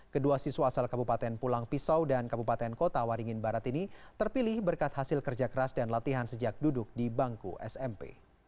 kedua siswa asal kabupaten pulang pisau dan kabupaten kota waringin barat ini terpilih berkat hasil kerja keras dan latihan sejak duduk di bangku smp